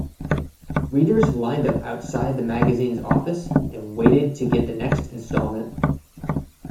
Readers lined up outside the magazine's offices, waiting to get the next instalment.